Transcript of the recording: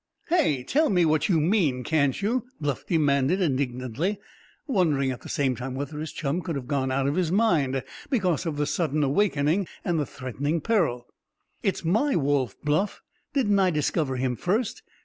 "Hey, tell me what you mean, can't you?" Bluff demanded indignantly, wondering at the same time whether his chum could have gone out of his mind because of the sudden awakening and the threatening peril. "It's my wolf, Bluff; didn't I discover him first?"